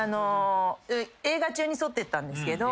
映画中にそってったんですけど。